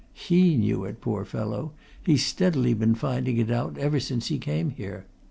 He knew it, poor fellow; he's steadily been finding it out ever since he came here.